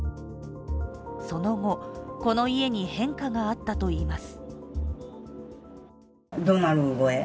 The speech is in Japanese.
その後、この家に変化があったといいます。